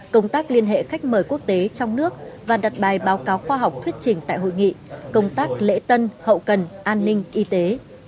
công tác liên hệ khách mời quốc tế trong nước và đặt bài báo cáo khoa học thuyết trình tại hội nghị công tác lễ tân hậu cần an ninh y tế